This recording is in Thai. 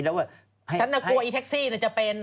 ฉันแม้กลัวไอ้แท็กซีจะเป็น